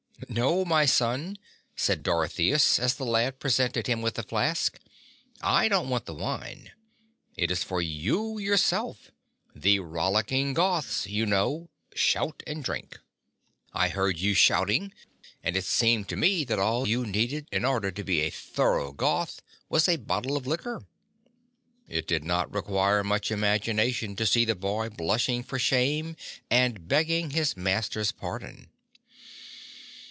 "No, my son," said Dorotheus as the lad presented him with the flask, "I don't want the wine. It is for you, your self. The rollicking Goths, you know, shout and drink. I 87 heard you shouting and it seemed to me that all you needed in order to be a thorough Goth was a bottle of liquor." It does not require much imagination to see the boy blush ing for shame and begging his master's pardon.